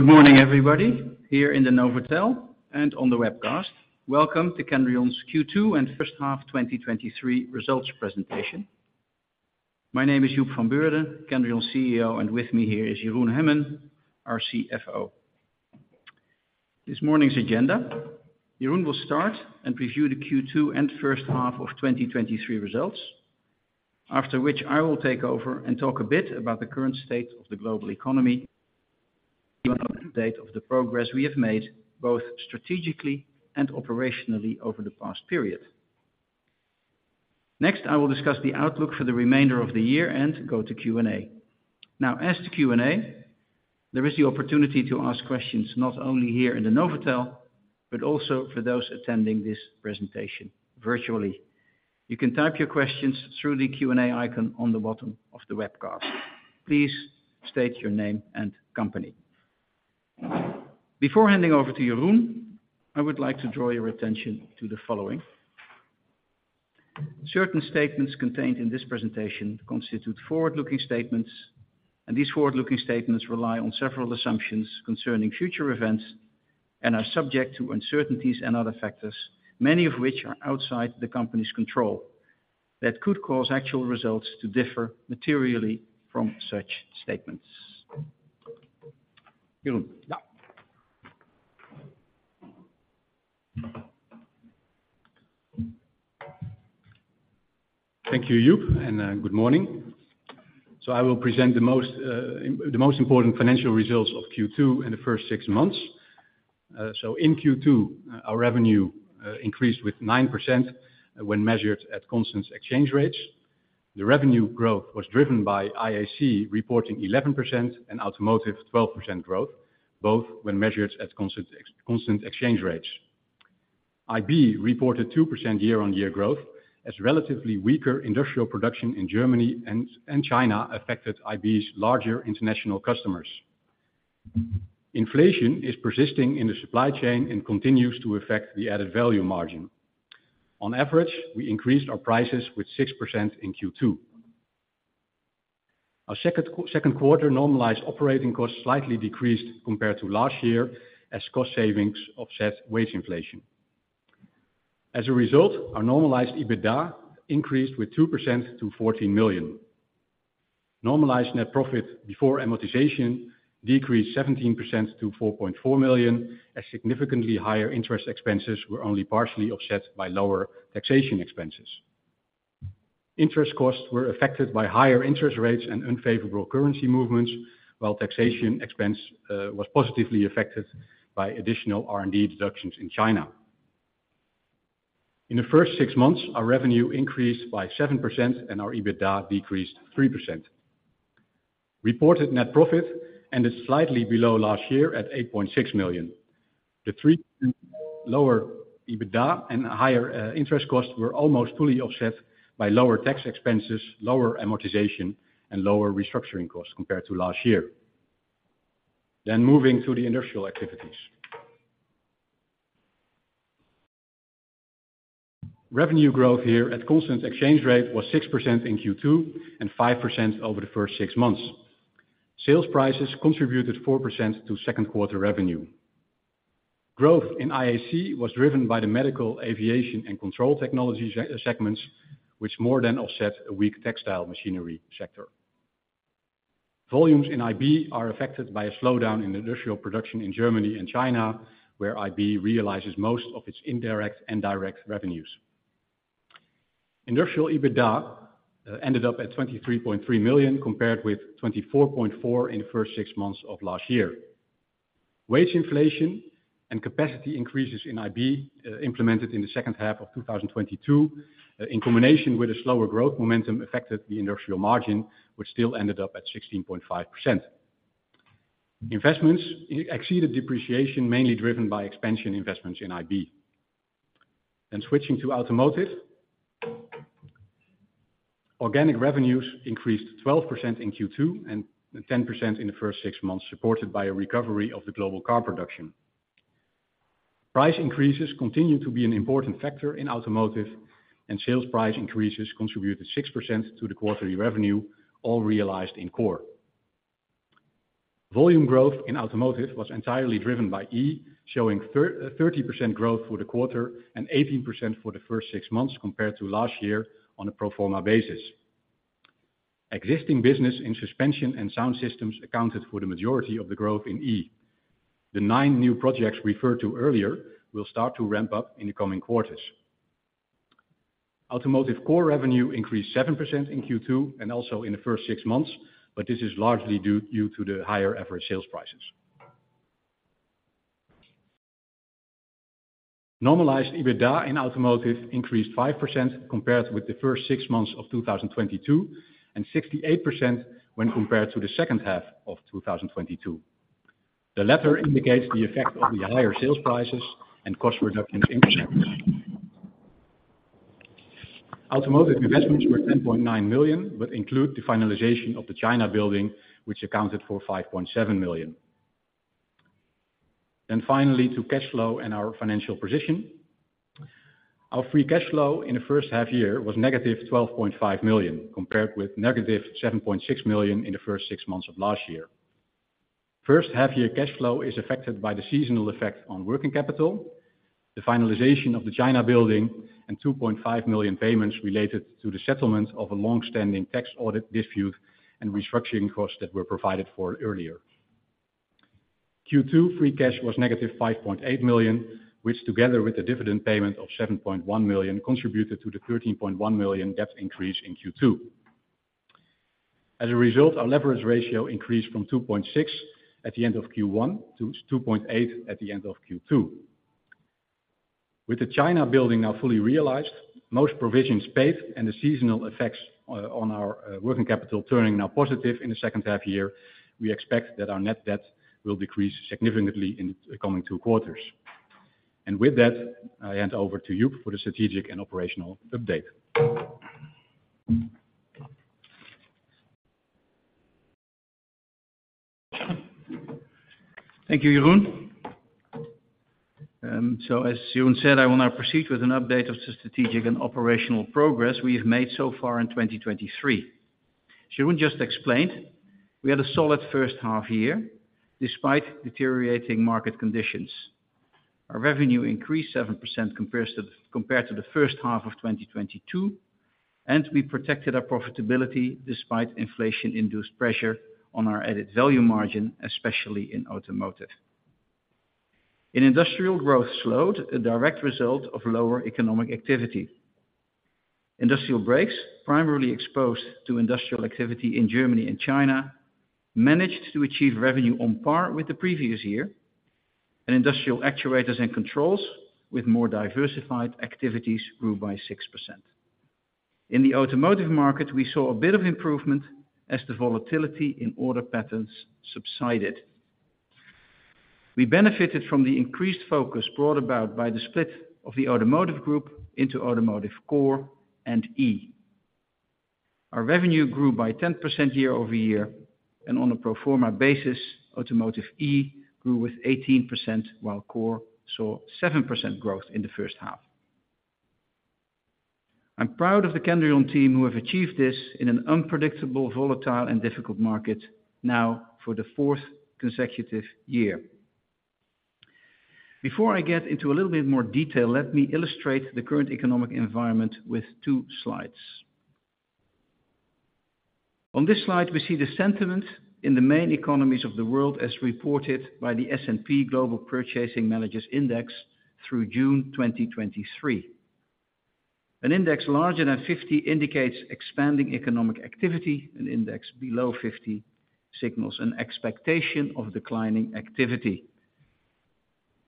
Good morning, everybody, here in the Novotel and on the webcast. Welcome to Kendrion's Q2 and First Half 2023 Results Presentation. My name is Joep van Beurden, Kendrion's CEO, and with me here is Jeroen Hemmen, our CFO. This morning's agenda, Jeroen will start and preview the Q2 and first half of 2023 results, after which I will take over and talk a bit about the current state of the global economy, and give an update of the progress we have made, both strategically and operationally over the past period. Next, I will discuss the outlook for the remainder of the year and go to Q&A. Now, as to Q&A, there is the opportunity to ask questions, not only here in the Novotel, but also for those attending this presentation virtually. You can type your questions through the Q&A icon on the bottom of the webcast. Please state your name and company. Before handing over to Jeroen, I would like to draw your attention to the following. Certain statements contained in this presentation constitute forward-looking statements. These forward-looking statements rely on several assumptions concerning future events and are subject to uncertainties and other factors, many of which are outside the company's control, that could cause actual results to differ materially from such statements. Jeroen? Yeah. Thank you, Joep, and good morning. I will present the most important financial results of Q2 in the first six months. In Q2, our revenue increased with 9% when measured at constant exchange rates. The revenue growth was driven by IAC reporting 11% and Automotive 12% growth, both when measured at constant exchange rates. IB reported 2% year-on-year growth as relatively weaker industrial production in Germany and China affected IB's larger international customers. Inflation is persisting in the supply chain and continues to affect the added value margin. On average, we increased our prices with 6% in Q2. Our second quarter normalized operating costs slightly decreased compared to last year, as cost savings offset wage inflation. As a result, our normalized EBITDA increased with 2% to 14 million. Normalized net profit before amortization decreased 17% to 4.4 million, as significantly higher interest expenses were only partially offset by lower taxation expenses. Interest costs were affected by higher interest rates and unfavorable currency movements, while taxation expense was positively affected by additional R&D deductions in China. In the first six months, our revenue increased by 7% and our EBITDA decreased 3%. Reported net profit ended slightly below last year at 8.6 million. The 3% lower EBITDA and higher interest costs were almost fully offset by lower tax expenses, lower amortization, and lower restructuring costs compared to last year. Moving to the industrial activities. Revenue growth here at constant exchange rate was 6% in Q2 and 5% over the first six months. Sales prices contributed 4% to second quarter revenue. Growth in IAC was driven by the medical, aviation, and control technology segments, which more than offset a weak textile machinery sector. Volumes in IB are affected by a slowdown in industrial production in Germany and China, where IB realizes most of its indirect and direct revenues. Industrial EBITDA ended up at 23.3 million, compared with 24.4 million in the first six months of last year. Wage inflation and capacity increases in IB, implemented in the second half of 2022, in combination with a slower growth momentum affected the industrial margin, which still ended up at 16.5%. Investments exceeded depreciation, mainly driven by expansion investments in IB. Switching to Automotive. Organic revenues increased 12% in Q2 and 10% in the first six months, supported by a recovery of the global car production. Price increases continue to be an important factor in Automotive. Sales price increases contributed 6% to the quarterly revenue, all realized in Core. Volume growth in Automotive was entirely driven by E, showing 30% growth for the quarter and 18% for the first six months compared to last year on a pro forma basis. Existing business in suspension and sound systems accounted for the majority of the growth in E. The nine new projects referred to earlier will start to ramp up in the coming quarters. Automotive Core revenue increased 7% in Q2 and also in the first six months, but this is largely due to the higher average sales prices. Normalized EBITDA in Automotive increased 5% compared with the first six months of 2022, and 68% when compared to the second half of 2022. The latter indicates the effect of the higher sales prices and cost reductions in purchasing. Automotive investments were 10.9 million, but include the finalization of the China building, which accounted for 5.7 million. Finally, to cash flow and our financial position. Our free cash flow in the first half year was - 12.5 million, compared with -7.6 million in the first six months of last year. First half year cash flow is affected by the seasonal effect on working capital, the finalization of the China building, and 2.5 million payments related to the settlement of a long-standing tax audit dispute and restructuring costs that were provided for earlier. Q2, free cash was -5.8 million, which together with the dividend payment of 7.1 million, contributed to the 13.1 million debt increase in Q2. As a result, our leverage ratio increased from 2.6 at the end of Q1 to 2.8 at the end of Q2. With the China building now fully realized, most provisions paid, and the seasonal effects on our working capital turning now positive in the second half-year, we expect that our net debt will decrease significantly in the coming two quarters. With that, I hand over to Joep for the strategic and operational update. Thank you, Jeroen. As Jeroen said, I will now proceed with an update of the strategic and operational progress we have made so far in 2023. Jeroen just explained, we had a solid first half year, despite deteriorating market conditions. Our revenue increased 7% compared to the first half of 2022, we protected our profitability despite inflation-induced pressure on our added value margin, especially in Automotive. In industrial growth slowed, a direct result of lower economic activity. Industrial Brakes, primarily exposed to industrial activity in Germany and China, managed to achieve revenue on par with the previous year, Industrial Actuators and Controls with more diversified activities grew by 6%. In the Automotive market, we saw a bit of improvement as the volatility in order patterns subsided. We benefited from the increased focus brought about by the split of the Automotive Group into Automotive Core and E. Our revenue grew by 10% year-over-year, on a pro forma basis, Automotive E grew with 18%, while Core saw 7% growth in the first half. I'm proud of the Kendrion team who have achieved this in an unpredictable, volatile, and difficult market now for the fourth consecutive year. Before I get into a little bit more detail, let me illustrate the current economic environment with two slides. On this slide, we see the sentiment in the main economies of the world as reported by the S&P Global Purchasing Managers' Index through June 2023. An index larger than 50 indicates expanding economic activity, an index below 50 signals an expectation of declining activity.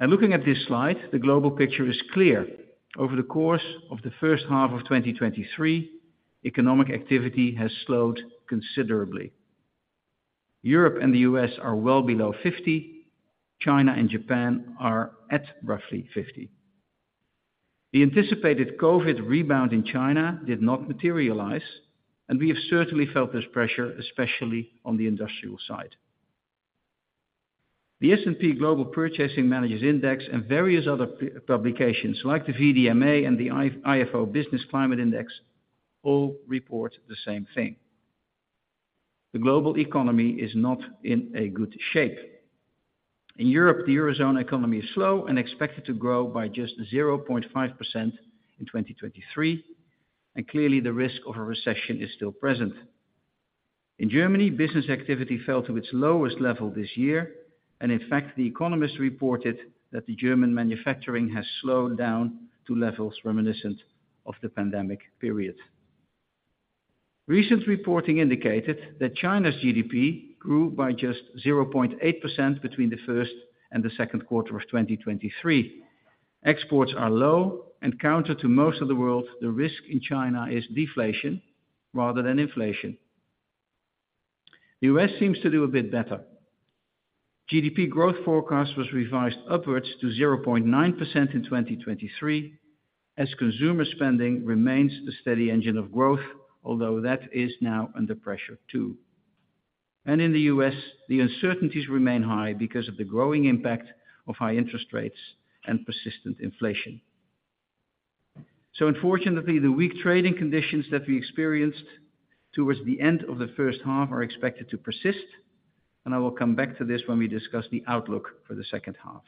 Looking at this slide, the global picture is clear. Over the course of the first half of 2023, economic activity has slowed considerably. Europe and the U.S. are well below 50, China and Japan are at roughly 50. The anticipated COVID rebound in China did not materialize, and we have certainly felt this pressure, especially on the industrial side. The S&P Global Purchasing Managers' Index and various other publications like the VDMA and the Ifo Business Climate Index, all report the same thing. The global economy is not in a good shape. In Europe, the Eurozone economy is slow and expected to grow by just 0.5% in 2023, and clearly the risk of a recession is still present. In Germany, business activity fell to its lowest level this year, and in fact, the Economist reported that the German manufacturing has slowed down to levels reminiscent of the pandemic period. Recent reporting indicated that China's GDP grew by just 0.8% between Q1 and Q2 of 2023. Exports are low, counter to most of the world, the risk in China is deflation rather than inflation. The U.S. seems to do a bit better. GDP growth forecast was revised upwards to 0.9% in 2023, as consumer spending remains a steady engine of growth, although that is now under pressure, too. In the U.S., the uncertainties remain high because of the growing impact of high interest rates and persistent inflation. Unfortunately, the weak trading conditions that we experienced towards the end of the first half are expected to persist, and I will come back to this when we discuss the outlook for the second half.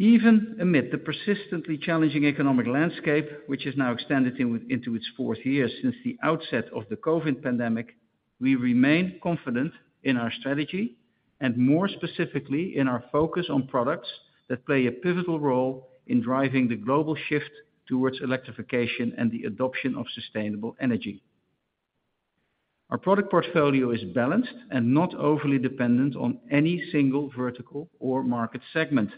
Even amid the persistently challenging economic landscape, which has now extended into its fourth year since the outset of the COVID pandemic, we remain confident in our strategy and more specifically, in our focus on products that play a pivotal role in driving the global shift towards electrification and the adoption of sustainable energy. Our product portfolio is balanced and not overly dependent on any single vertical or market segment.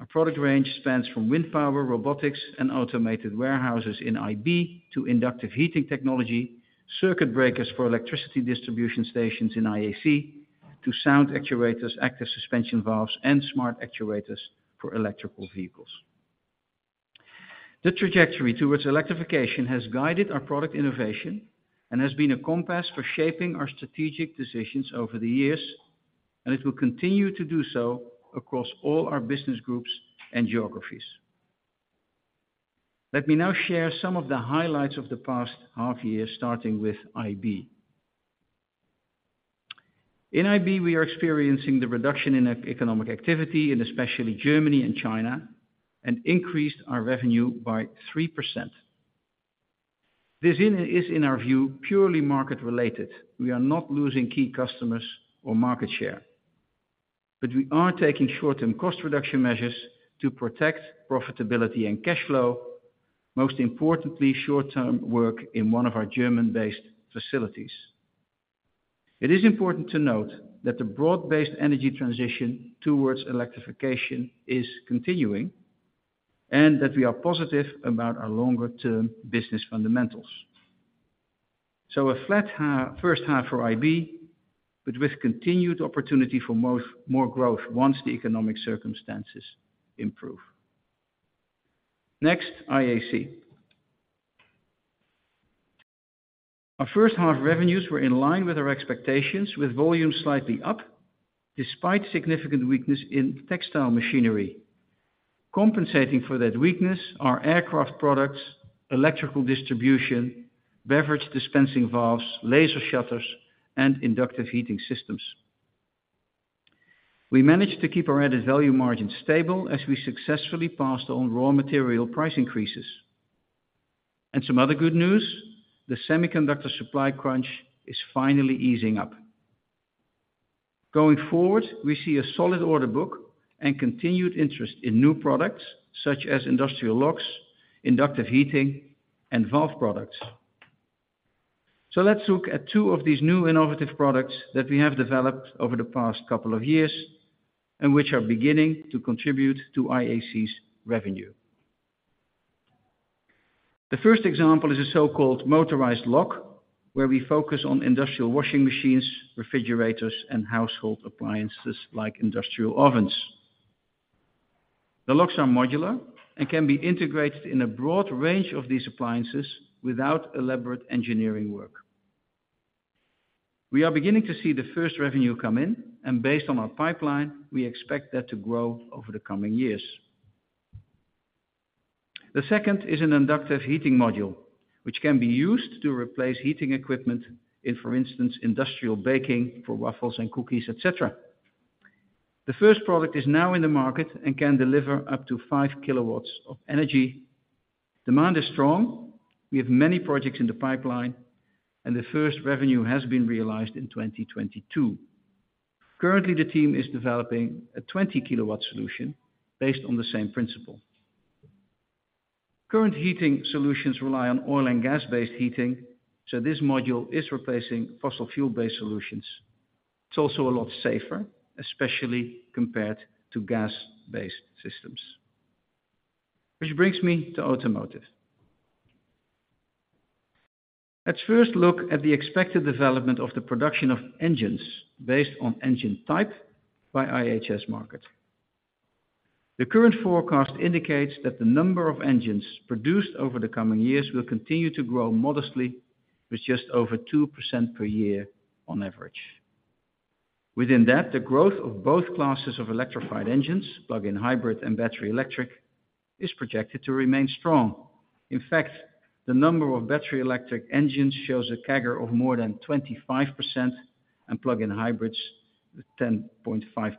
Our product range spans from wind power, robotics, and automated warehouses in IB, to inductive heating technology, circuit breakers for electricity distribution stations in IAC, to sound actuators, active suspension valves, and smart actuators for electric vehicles. The trajectory towards electrification has guided our product innovation and has been a compass for shaping our strategic decisions over the years, and it will continue to do so across all our business groups and geographies. Let me now share some of the highlights of the past half year, starting with IB. In IB, we are experiencing the reduction in economic activity, especially in Germany and China, and increased our revenue by 3%. This is in our view, purely market-related. We are not losing key customers or market share, but we are taking short-term cost reduction measures to protect profitability and cash flow, most importantly, short-term work in one of our German-based facilities. It is important to note that the broad-based energy transition towards electrification is continuing, and that we are positive about our longer term business fundamentals. A first half for IB, but with continued opportunity for more growth once the economic circumstances improve. Next, IAC. Our first half revenues were in line with our expectations, with volume slightly up, despite significant weakness in textile machinery. Compensating for that weakness are aircraft products, electrical distribution, beverage dispensing valves, laser shutters, and inductive heating systems. Some other good news, the semiconductor supply crunch is finally easing up. Going forward, we see a solid order book and continued interest in new products, such as industrial locks, inductive heating, and valve products. Let's look at two of these new innovative products that we have developed over the past couple of years, and which are beginning to contribute to IAC's revenue. The first example is a so-called motorized lock, where we focus on industrial washing machines, refrigerators, and household appliances, like industrial ovens. The locks are modular and can be integrated in a broad range of these appliances without elaborate engineering work. We are beginning to see the first revenue come in, and based on our pipeline, we expect that to grow over the coming years. The second is an inductive heating module, which can be used to replace heating equipment in, for instance, industrial baking for waffles and cookies, et cetera. The first product is now in the market and can deliver up to 5 kW of energy. Demand is strong, we have many projects in the pipeline, and the first revenue has been realized in 2022. Currently, the team is developing a 20 kW solution based on the same principle. Current heating solutions rely on oil and gas-based heating, so this module is replacing fossil fuel-based solutions. It's also a lot safer, especially compared to gas-based systems. Which brings me to Automotive. Let's first look at the expected development of the production of engines based on engine type by IHS Markit. The current forecast indicates that the number of engines produced over the coming years will continue to grow modestly, with just over 2% per year on average. Within that, the growth of both classes of electrified engines, plug-in hybrid and battery electric, is projected to remain strong. In fact, the number of battery electric engines shows a CAGR of more than 25% and plug-in hybrids, 10.5%.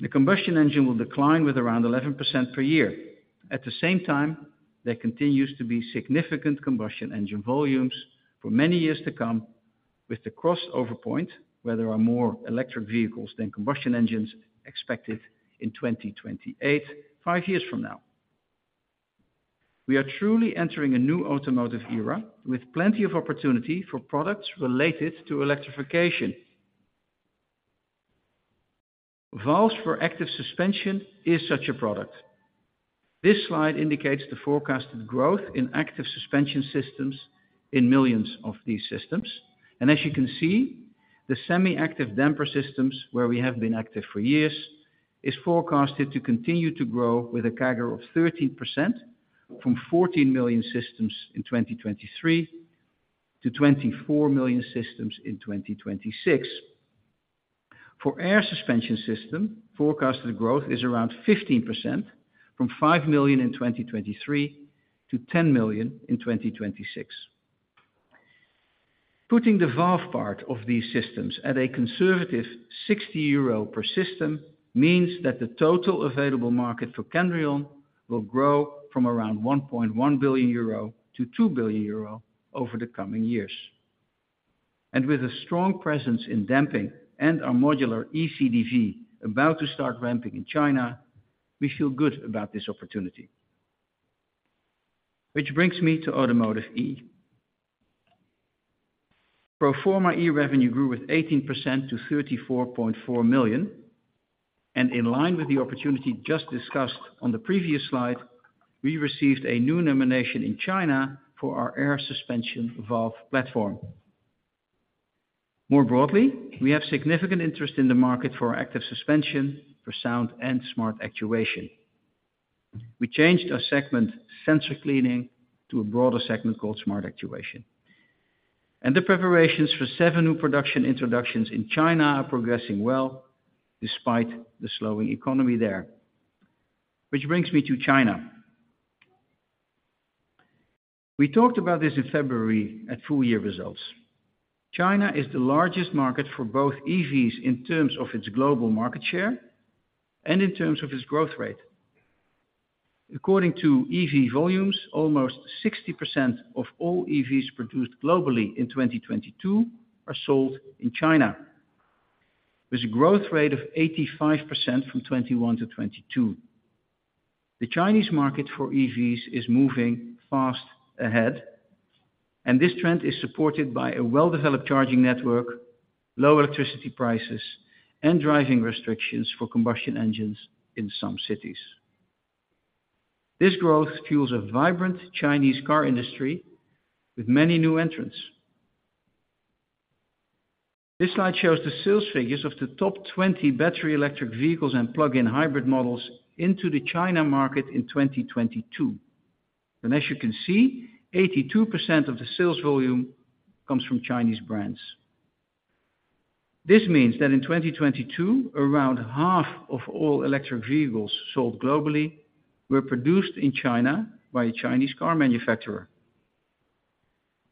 The combustion engine will decline with around 11% per year. At the same time, there continues to be significant combustion engine volumes for many years to come, with the crossover point, where there are more electric vehicles than combustion engines, expected in 2028, five years from now. We are truly entering a new Automotive era with plenty of opportunity for products related to electrification. Valves for active suspension is such a product. This slide indicates the forecasted growth in active suspension systems in millions of these systems. As you can see, the semi-active damper systems, where we have been active for years, is forecasted to continue to grow with a CAGR of 13%, from 14 million systems in 2023 to 24 million systems in 2026. For air suspension system, forecasted growth is around 15%, from 5 million in 2023 to 10 million in 2026. Putting the valve part of these systems at a conservative 60 euro per system, means that the total available market for Kendrion will grow from around 1.1 billion euro to 2 billion euro over the coming years. With a strong presence in damping and our modular ECVs about to start ramping in China, we feel good about this opportunity. Which brings me to Automotive E. Pro forma E revenue grew with 18% to 34.4 million, and in line with the opportunity just discussed on the previous slide, we received a new nomination in China for our air suspension valve platform. More broadly, we have significant interest in the market for active suspension, for sound, and smart actuation. We changed our segment Sensor Cleaning to a broader segment called Smart Actuation. The preparations for seven new production introductions in China are progressing well, despite the slowing economy there. Which brings me to China. We talked about this in February at full year results. China is the largest market for both EVs in terms of its global market share and in terms of its growth rate. According to EV-volumes.com, almost 60% of all EVs produced globally in 2022 are sold in China, with a growth rate of 85% from 2021 to 2022. The Chinese market for EVs is moving fast ahead, this trend is supported by a well-developed charging network, low electricity prices, and driving restrictions for combustion engines in some cities. This growth fuels a vibrant Chinese car industry with many new entrants. This slide shows the sales figures of the top 20 battery electric vehicles and plug-in hybrid models into the China market in 2022. As you can see, 82% of the sales volume comes from Chinese brands. This means that in 2022, around half of all electric vehicles sold globally were produced in China by a Chinese car manufacturer.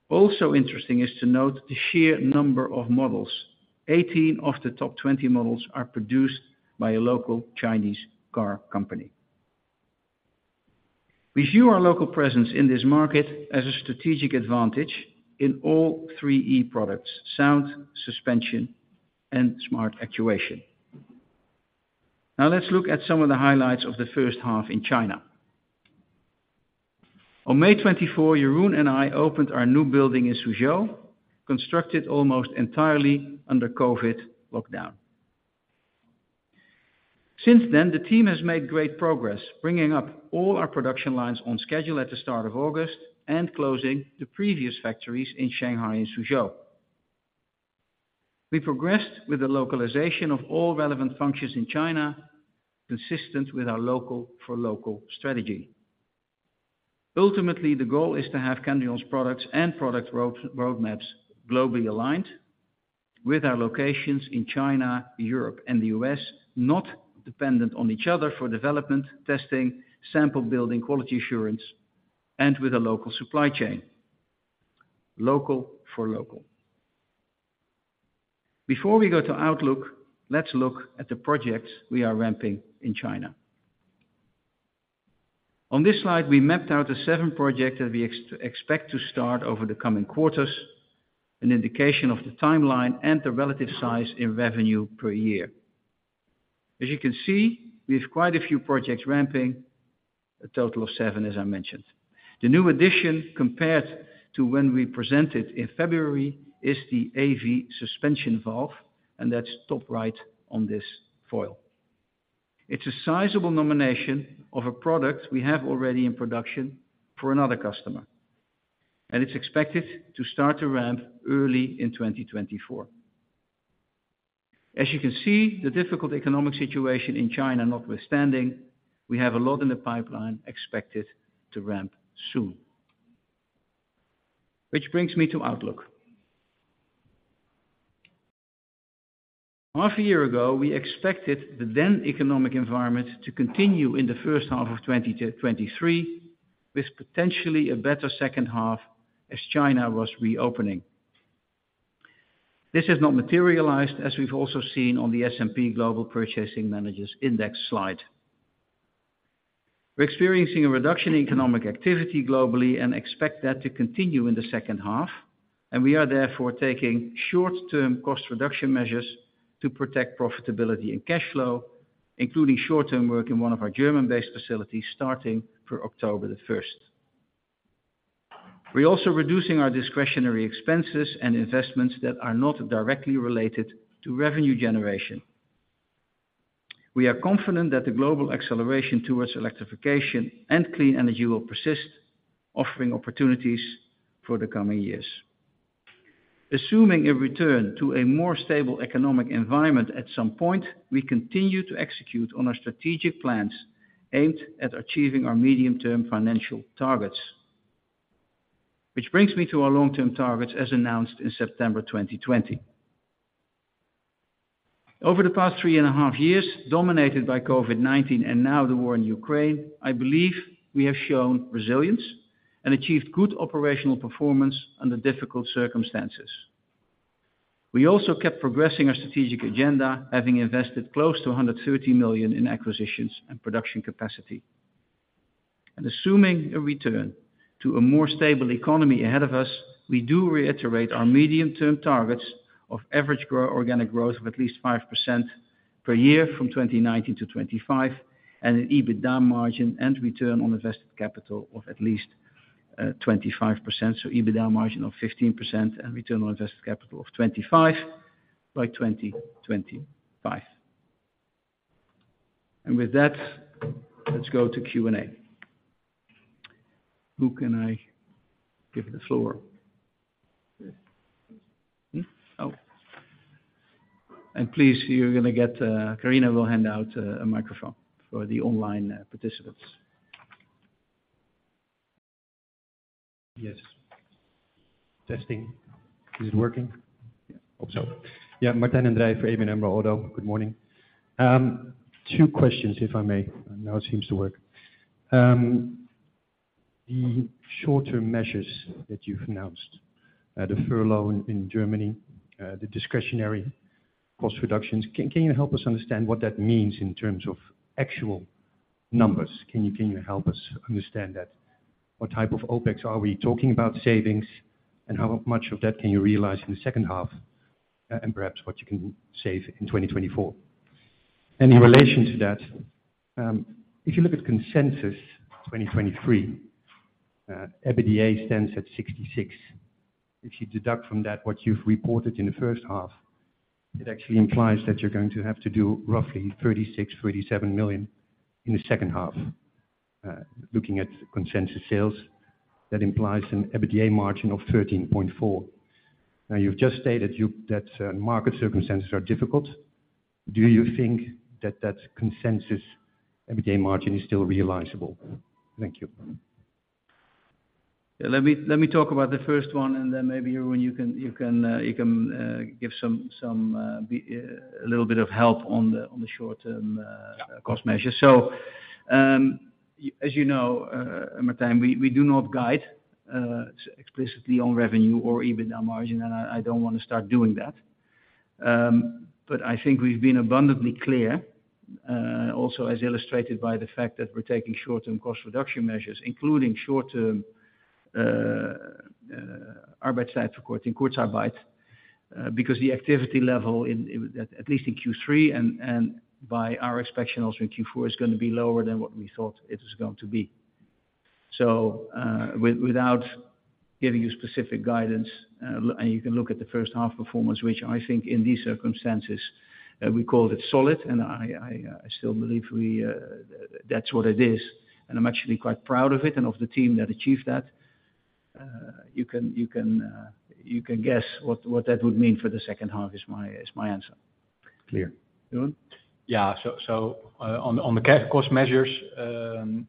Also interesting is to note the sheer number of models. 18 of the top 20 models are produced by a local Chinese car company. We view our local presence in this market as a strategic advantage in all three E products: sound, suspension, and smart actuation. Let's look at some of the highlights of the first half in China. On May 24, Jeroen and I opened our new building in Suzhou, constructed almost entirely under COVID lockdown. Since then, the team has made great progress, bringing up all our production lines on schedule at the start of August and closing the previous factories in Shanghai and Suzhou. We progressed with the localization of all relevant functions in China, consistent with our local for local strategy. Ultimately, the goal is to have Kendrion's products and product roadmaps globally aligned with our locations in China, Europe, and the U.S., not dependent on each other for development, testing, sample building, quality assurance, and with a local supply chain. Local for local. Before we go to outlook, let's look at the projects we are ramping in China. On this slide, we mapped out the seven projects that we expect to start over the coming quarters, an indication of the timeline and the relative size in revenue per year. As you can see, we have quite a few projects ramping, a total of seven, as I mentioned. The new addition, compared to when we presented in February, is the AV suspension valve, and that's top right on this foil. It's a sizable nomination of a product we have already in production for another customer, and it's expected to start to ramp early in 2024. As you can see, the difficult economic situation in China notwithstanding, we have a lot in the pipeline expected to ramp soon. Brings me to outlook. Half a year ago, we expected the then economic environment to continue in the first half of 2023, with potentially a better second half as China was reopening. This has not materialized, as we've also seen on the S&P Global Purchasing Managers' Index slide. We're experiencing a reduction in economic activity globally and expect that to continue in the second half, and we are therefore taking short-term cost reduction measures to protect profitability and cash flow, including short-term work in one of our German-based facilities, starting for October 1st. We're also reducing our discretionary expenses and investments that are not directly related to revenue generation. We are confident that the global acceleration towards electrification and clean energy will persist, offering opportunities for the coming years. Assuming a return to a more stable economic environment at some point, we continue to execute on our strategic plans aimed at achieving our medium-term financial targets. Which brings me to our long-term targets as announced in September 2020. Over the past three and a half years, dominated by COVID-19 and now the war in Ukraine, I believe we have shown resilience and achieved good operational performance under difficult circumstances. We also kept progressing our strategic agenda, having invested close to 130 million in acquisitions and production capacity. Assuming a return to a more stable economy ahead of us, we do reiterate our medium-term targets of average organic growth of at least 5% per year from 2019 to 2025, and an EBITDA margin and return on invested capital of at least 25%. EBITDA margin of 15% and return on invested capital of 25% by 2025. With that, let's go to Q&A. Who can I give the floor? Oh, please, you're gonna get, Karina will hand out a microphone for the online participants. Yes. Testing. Is it working? Hope so. Yeah, Martijn den Drijver for ABN AMRO - ODDO BHF. Good morning. Two questions, if I may. Now it seems to work. The short-term measures that you've announced, the furlough in Germany, the discretionary cost reductions, can you help us understand what that means in terms of actual numbers? Can you help us understand that? What type of OpEx are we talking about savings, and how much of that can you realize in the second half, and perhaps what you can save in 2024? In relation to that, if you look at consensus 2023, EBITDA stands at 66 million. If you deduct from that what you've reported in the first half, it actually implies that you're going to have to do roughly 36 million-37 million in the second half. Looking at consensus sales, that implies an EBITDA margin of 13.4%. Now, you've just stated you-- that, market circumstances are difficult. Do you think that that consensus EBITDA margin is still realizable? Thank you. Let me talk about the first one, and then maybe, Jeroen, you can give some a little bit of help on the, on the short-term, cost measure. Yeah. As you know, Martijn, we, we do not guide explicitly on revenue or EBITDA margin, and I, I don't want to start doing that. I think we've been abundantly clear, also as illustrated by the fact that we're taking short-term cost reduction measures, including short-term work because the activity level in, in, at least in Q3, and, and by our expectation, also in Q4, is gonna be lower than what we thought it was going to be. Without giving you specific guidance, and you can look at the first half performance, which I think in these circumstances, we called it solid, and I still believe we, that's what it is, and I'm actually quite proud of it and of the team that achieved that. You can guess what, what that would mean for the second half is my answer. Clear. Jeroen? Yeah, so, on the cost measures, on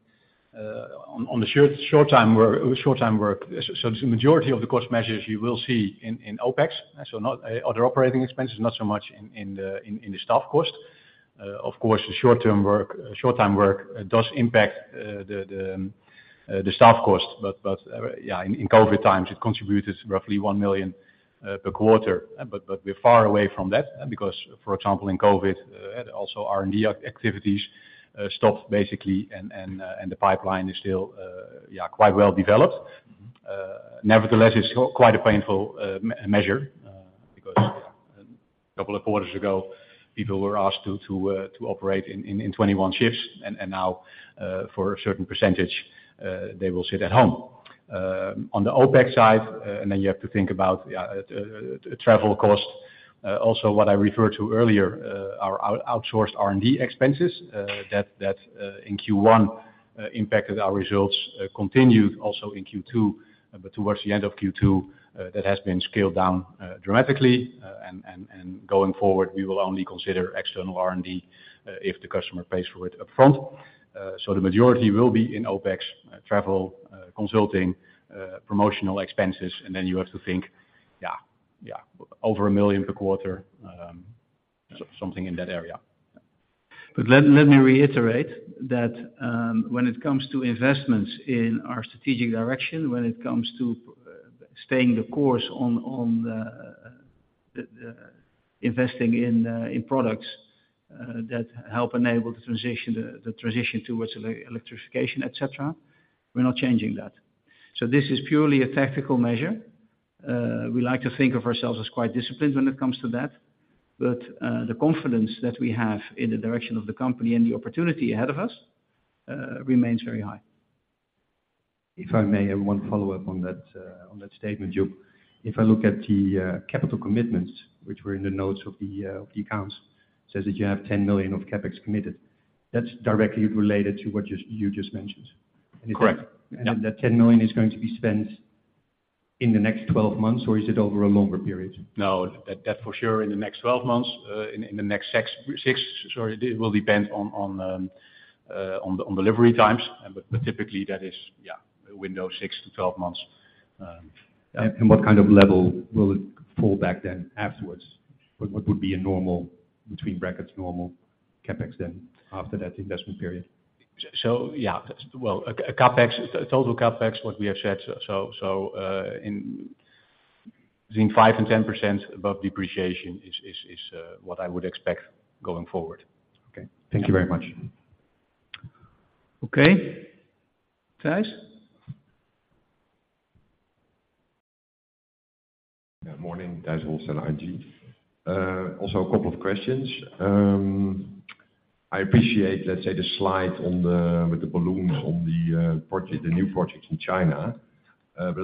the short-term work the majority of the cost measures you will see in OpEx, not other operating expenses, not so much in the staff cost. Of course, the short-term work, does impact the staff cost. In COVID times, it contributed roughly 1 million per quarter. We're far away from that, because, for example, in COVID, also R&D activities stopped basically, and the pipeline is still quite well developed. it's quite a painful, uh, m- measure, uh, because a couple of quarters ago, people were asked to, to, uh, to operate in, in, in 21 shifts, and, and now, uh, for a certain percentage, uh, they will sit at home. On the OpEx side, uh, and then you have to think about, yeah, uh, travel cost. Also what I referred to earlier, uh, our outsourced R&D expenses, uh, that uh, in Q1, uh, impacted our results, continued also in Q2. But towards the end of Q2, uh, that has been scaled down, uh, dramatically, uh, and, and, and going forward, we will only consider external R&D, uh, if the customer pays for it upfront. The majority will be in OpEx, travel, consulting, promotional expenses, and then you have to think, yeah, yeah, over 1 million per quarter, so something in that area. Let, let me reiterate that, when it comes to investments in our strategic direction, when it comes to staying the course on, on the, investing in products that help enable the transition, the transition towards electrification, et cetera, we're not changing that. This is purely a tactical measure. We like to think of ourselves as quite disciplined when it coming to that, but the confidence that we have in the direction of the company and the opportunity ahead of us remains very high. If I may, I have one follow-up on that statement, Joep. If I look at the capital commitments, which were in the notes of the accounts, it says that you have 10 million of CapEX committed. That's directly related to what you just mentioned? Correct. That 10 million is going to be spent in the next 12 months, or is it over a longer period? No, that for sure, in the next 12 months, in the next six, sorry, it will depend on the delivery times, but typically that is, yeah, a window 6 to 12 months. What kind of level will it fall back then afterwards? What would be a normal, between brackets, "normal" CapEx then after that investment period? Yeah, well, CapEX, total CapEX, what we have said, in between 5 and 10% above depreciation is what I would expect going forward. Okay. Thank you very much. Okay. Tijs? Yeah, morning. Tijs Holl, ING. Also a couple of questions. I appreciate, let's say, the slide on the, with the balloon on the, project, the new projects in China.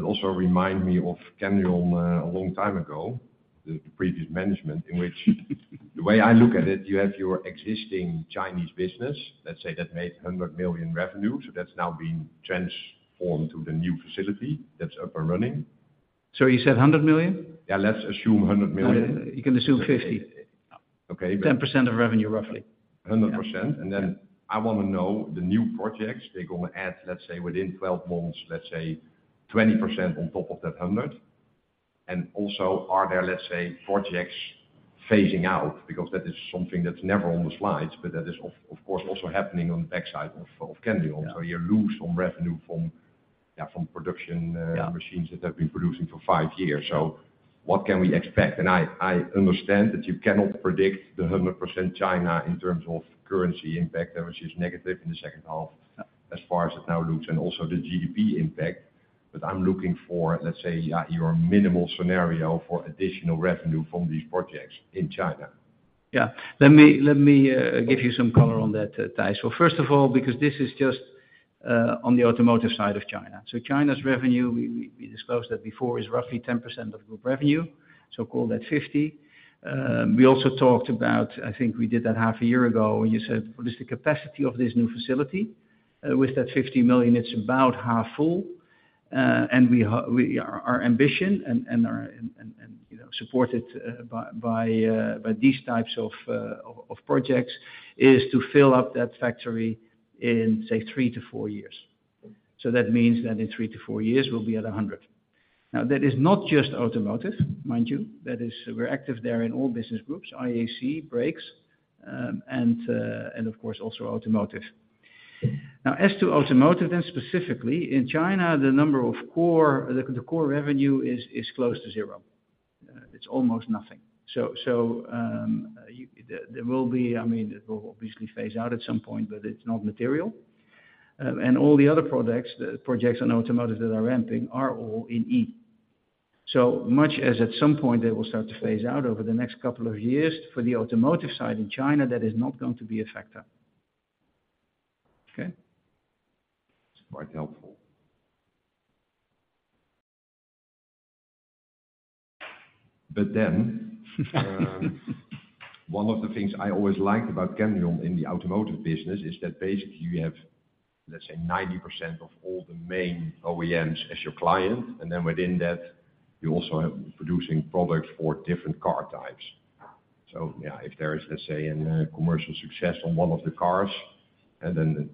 Also remind me of Kendrion, a long time ago, the, the previous management, in which, the way I look at it, you have your existing Chinese business, let's say, that made 100 million revenue, so that's now been transformed to the new facility that's up and running. You said 100 million? Yeah, let's assume 100 million. You can assume 50. Okay. 10% of revenue, roughly. 100%. Then I want to know the new projects they're going to add, let's say, within 12 months, let's say, 20% on top of that 100. Also, are there, let's say, projects phasing out? Because that is something that's never on the slides, but that is of, of course, also happening on the back side of, of Kendrion. Yeah. You lose some revenue from, yeah, from production. Yeah... machines that have been producing for five years. What can we expect? I, I understand that you cannot predict the 100% China in terms of currency impact, that was just negative in the second half, as far as it now looks, and also the GDP impact. I'm looking for, let's say, yeah, your minimal scenario for additional revenue from these projects in China. Yeah. Let me, let me give you some color on that, Tijs. First of all, because this is just on the Automotive side of China. China's revenue, we, we, we discussed that before, is roughly 10% of group revenue, so call that 50 million. We also talked about, I think we did that half a year ago, and you said, what is the capacity of this new facility? With that 50 million, it's about half full. And our ambition and, and our, and, and, and, you know, supported by, by these types of projects, is to fill up that factory in, say, 3-4 years. That means that in 3-4 years, we'll be at 100 million. That is not just Automotive, mind you. That is, we're active there in all business groups, IAC, Brakes, and of course, also Automotive. Now, as to Automotive, and specifically, in China, the number of Core revenue is close to zero. It's almost nothing. You... There will be, I mean, it will obviously phase out at some point, but it's not material. All the other products, projects on Automotive that are ramping are all in E. Much as at some point, they will start to phase out over the next couple of years, for the Automotive side in China, that is not going to be a factor. Okay? It's quite helpful. Then one of the things I always liked about Kendrion in the Automotive business is that basically, you have, let's say, 90% of all the main OEMs as your client, and then within that, you also are producing products for different car types. Yeah, if there is, let's say, a commercial success on one of the cars, and then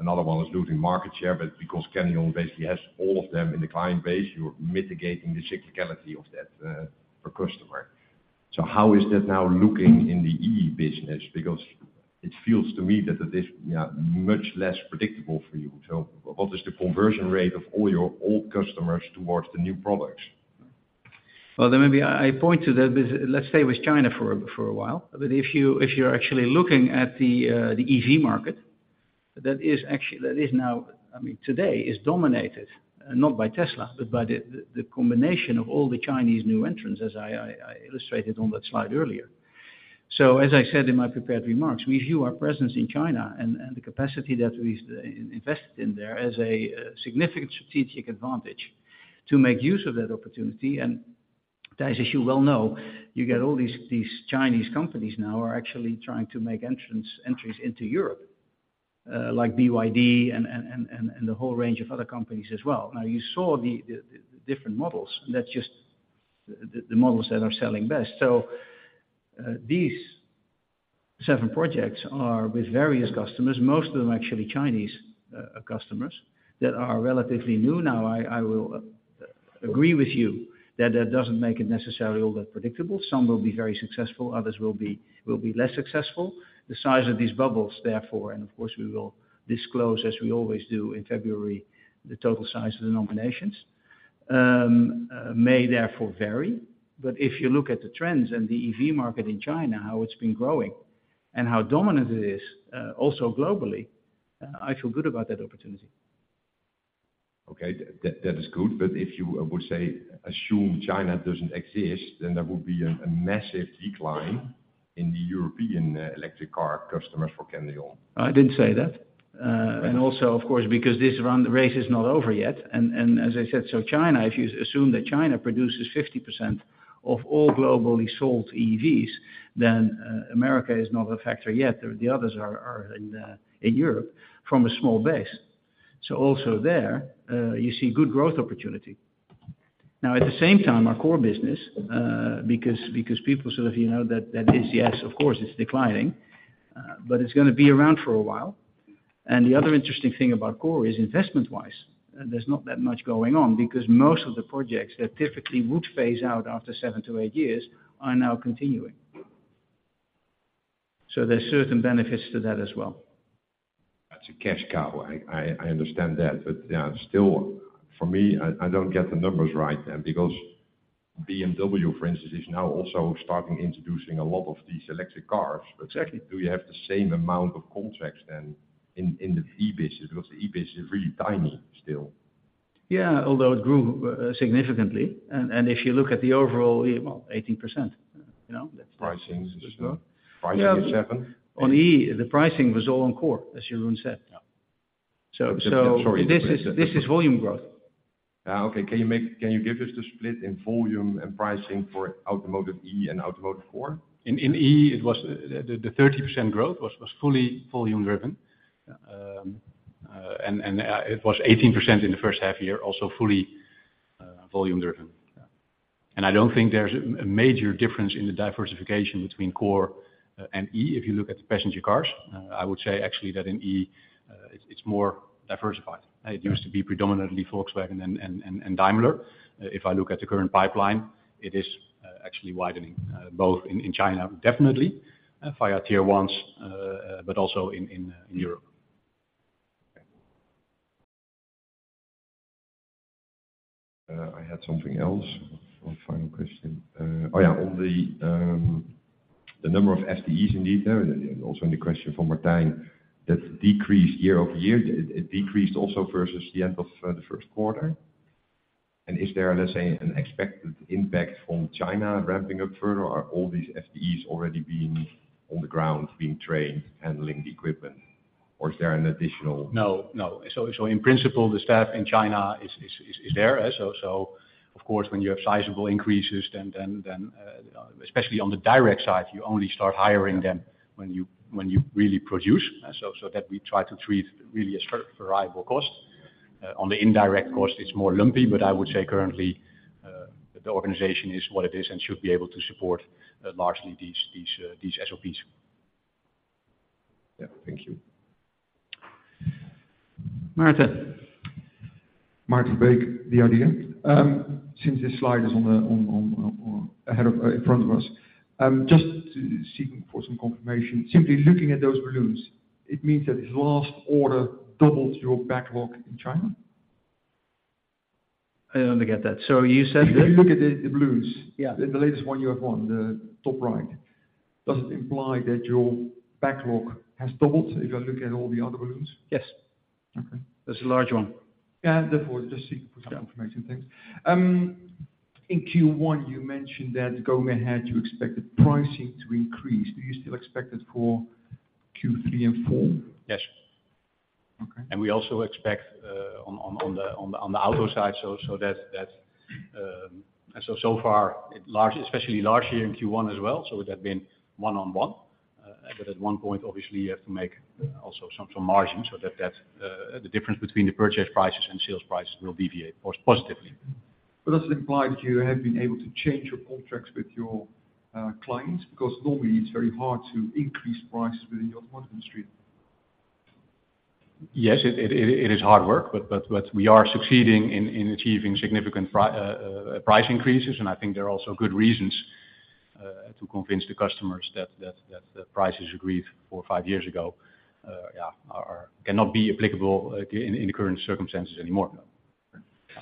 another one is losing market share, but because Kendrion basically has all of them in the client base, you're mitigating the cyclicality of that per customer. How is that now looking in the EV business? Because it feels to me that this, yeah, much less predictable for you. What is the conversion rate of all your old customers towards the new products? Maybe I point to that, let's stay with China for a while. If you, if you're actually looking at the EV market, that is actually that is now, I mean, today is dominated, not by Tesla, but by the combination of all the Chinese new entrants, as I illustrated on that slide earlier. As I said in my prepared remarks, we view our presence in China and the capacity that we invested in there as a significant strategic advantage to make use of that opportunity. Tijs, as you well know, you get all these Chinese companies now are actually trying to make entries into Europe, like BYD and the whole range of other companies as well. You saw the different models, and that's just the models that are selling best. These seven projects are with various customers, most of them are actually Chinese customers that are relatively new. I, I will agree with you that that doesn't make it necessarily all that predictable. Some will be very successful, others will be less successful. The size of these bubbles, therefore, and of course, we will disclose, as we always do in February, the total size of the nominations may therefore vary. If you look at the trends and the EV market in China, how it's been growing and how dominant it is also globally, I feel good about that opportunity. Okay, that, that is good. If you would say, assume China doesn't exist, then there would be a massive decline in the European electric car customers for Kendrion. I didn't say that. Also, of course, because this run, the race is not over yet. As I said, China, if you assume that China produces 50% of all globally sold EVs, then, America is not a factor yet. The others are, are in, in Europe from a small base. Also there, you see good growth opportunity. Now, at the same time, our core business, because, because people sort of, you know, that, that is, yes, of course, it's declining, but it's gonna be around for a while. The other interesting thing about core is investment-wise, there's not that much going on because most of the projects that typically would phase out after 7-8 years are now continuing. There's certain benefits to that as well. That's a cash cow. I understand that, yeah, still, for me, I, I don't get the numbers right then. BMW, for instance, is now also starting introducing a lot of these electric cars. Exactly, do you have the same amount of contracts then in, in the EV business? The EV business is really tiny, still. Yeah, although it grew significantly. If you look at the overall, well, 18%.... pricing as well. Pricing EUR 7? On E, the pricing was all on core, as Jeroen said. Yeah. So, so- Sorry. This is, this is volume growth. Okay. Can you give us the split in volume and pricing for Automotive E and Automotive Core? In E, it was the 30% growth was fully volume driven. It was 18% in the first half year, also fully volume driven. I don't think there's a major difference in the diversification between Core and E if you look at the passenger cars. I would say actually that in E, it's more diversified. It used to be predominantly Volkswagen and Daimler. If I look at the current pipeline, it is actually widening, both in China, definitely, via Tier 1s, but also in Europe. Okay. I had something else. One final question. Oh, yeah, on the number of FTEs indeed, and also in the question from Martijn, that decreased year-over-year. It decreased also versus the end of Q1. Is there, let's say, an expected impact from China ramping up further, or are all these FTEs already being on the ground, being trained, handling the equipment? Or is there an additional- No, no. In principle, the staff in China is there. Of course, when you have sizable increases, then especially on the direct side, you only start hiring them. Yeah when you, when you really produce. That we try to treat really a variable cost. On the indirect cost, it's more lumpy, but I would say currently, the organization is what it is and should be able to support largely these SOPs. Yeah. Thank you. Martijn. Since this slide is on the ahead of, in front of us, just to seeking for some confirmation. Simply looking at those balloons, it means that this last order doubled your backlog in China? I don't get that. You said that. If you look at the balloons. Yeah. The latest one you have on, the top right, does it imply that your backlog has doubled if you look at all the other balloons? Yes. Okay. That's a large one. Yeah, therefore, just seeking for some confirmation, thanks. In Q1, you mentioned that going ahead, you expected pricing to increase. Do you still expect it for Q3 and Q4? Yes. Okay. We also expect on the auto side, so that. So far, it large, especially large here in Q1 as well, so it had been 1 on 1. At one point, obviously, you have to make also some margin so that the difference between the purchase prices and sales prices will deviate positively. Does it imply that you have been able to change your contracts with your clients? Because normally, it's very hard to increase prices within the Automotive industry. Yes, it is hard work, but we are succeeding in achieving significant price increases, and I think there are also good reasons to convince the customers that the prices agreed four, five years ago, yeah, are, cannot be applicable in the current circumstances anymore.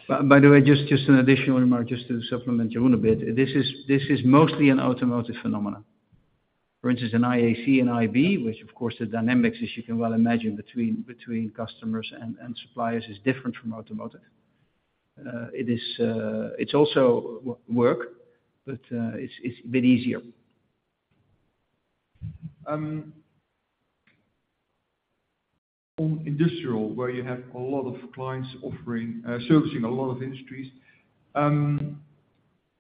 By the way, just, just an additional remark, just to supplement Jeroen a bit. This is, this is mostly an Automotive phenomenon. For instance, in IAC and IB, which of course, the dynamics, as you can well imagine, between, between customers and, and suppliers is different from Automotive. It is, it's also work, but, it's, it's a bit easier. On industrial, where you have a lot of clients offering, servicing a lot of industries,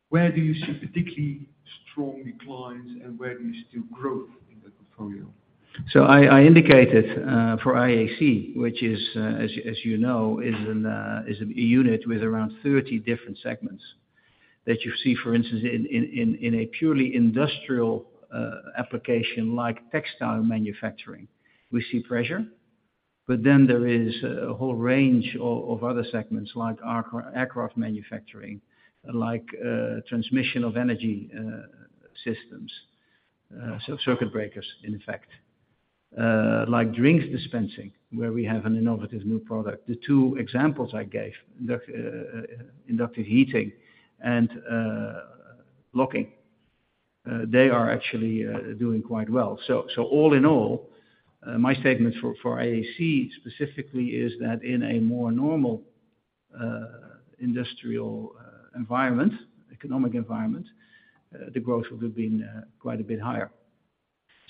where do you see particularly strong declines, and where do you see growth in the portfolio? I, I indicated for IAC, which is, as you know, is a unit with around 30 different segments. That you see, for instance, in a purely industrial application like textile manufacturing, we see pressure. Then there is a whole range of other segments like aircraft manufacturing, like transmission of energy systems, so circuit breakers, in fact. Like drinks dispensing, where we have an innovative new product. The two examples I gave, inductive heating and locking, they are actually doing quite well. All in all, my statement for IAC specifically, is that in a more normal industrial environment, economic environment, the growth would have been quite a bit higher.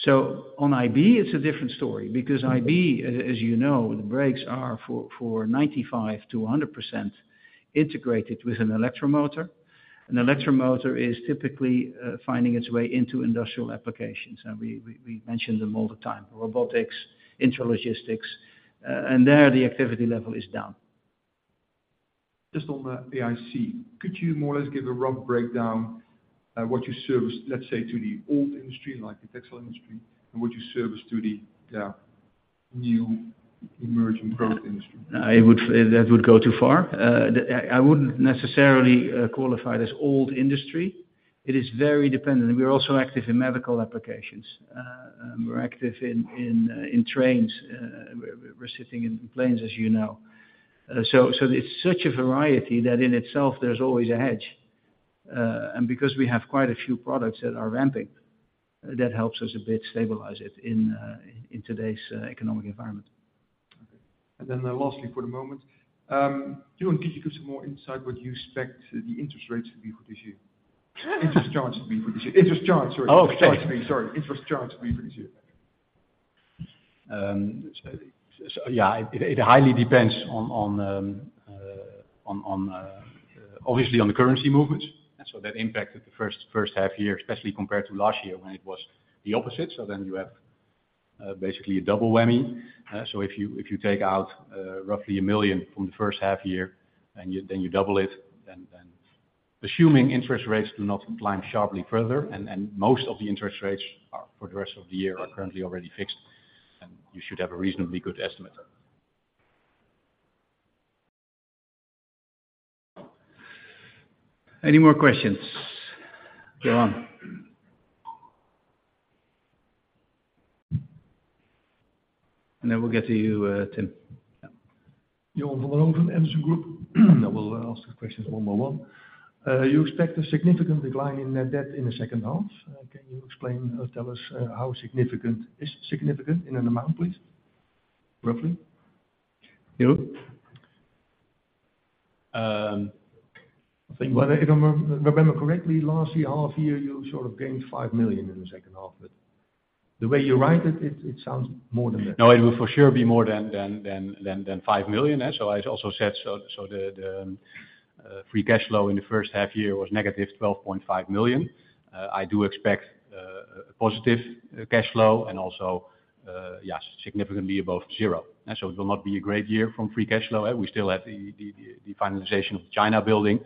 On IB, it's a different story, because IB, as, as you know, the brakes are for, for 95%-100% integrated with an electromotor. An electromotor is typically finding its way into industrial applications, and we, we, we mention them all the time, robotics, intralogistics, and there, the activity level is down. Just on the IAC, could you more or less give a rough breakdown, what you service, let's say, to the old industry, like the textile industry, and what you service to the new emerging growth industry? That would go too far. I wouldn't necessarily qualify it as old industry. It is very dependent. We are also active in medical applications. We're active in trains. We're sitting in planes, as you know. It's such a variety that in itself, there's always a hedge. Because we have quite a few products that are ramping, that helps us a bit stabilize it in today's economic environment. Lastly, for the moment, can you give some more insight what you expect the interest rates to be for this year? Interest charges to be for this year. Interest charge, sorry. Oh, okay. Sorry, interest charge to be for this year. So, so yeah, it, it highly depends on, obviously, on the currency movements. So that impacted the first half-year, especially compared to last year, when it was the opposite. So then you have, basically a double whammy. So if you, if you take out, roughly 1 million from the first half-year, and you, then you double it, then, then assuming interest rates do not climb sharply further, and, and most of the interest rates are, for the rest of the year, are currently already fixed, and you should have a reasonably good estimate. Any more questions? Go on. Then we'll get to you, Tim. Yeah. Frank Claassen from Degroof Petercam. I will ask the questions one by one. You expect a significant decline in net debt in the second half. Can you explain or tell us, how significant is significant in an amount, please, roughly? You. If I remember correctly, last year, half year, you sort of gained 5 million in the second half, but the way you write it, it sounds more than that. No, it will for sure be more than, than, than, than, than 5 million. I also said, so, so the, the free cash flow in the first half year was negative 12.5 million. I do expect positive cash flow, and also, yes, significantly above zero. It will not be a great year from free cash flow. We still have the, the, the finalization of China building.